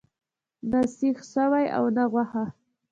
نه سیخ سوی او نه غوښه.